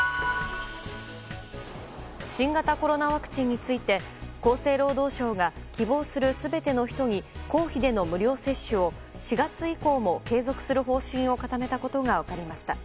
新型コロナワクチンについて厚生労働省が希望する全ての人に公費での無料接種を４月以降も継続する方針を固めたことが分かりました。